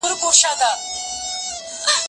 موسيقي واوره!.